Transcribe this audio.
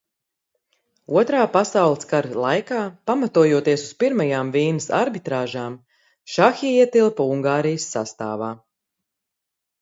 Otrā pasaules kara laikā, pamatojoties uz Pirmajām Vīnes arbitrāžām, Šahi ietilpa Ungārijas sastāvā.